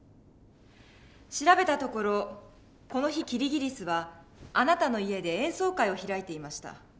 調べたところこの日キリギリスはあなたの家で演奏会を開いていました。